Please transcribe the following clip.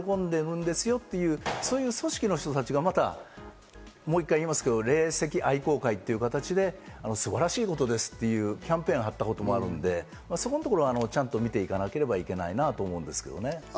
霊感商法やって、それでも喜んでるんですよという組織の人たちが、もう一回言いますけど、霊石愛好会という形で素晴らしいことですと言っているところもあるので、そこのところはちゃんと見ていかなければいけないなと思うんですけどね。